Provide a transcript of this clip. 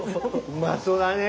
うまそうだね。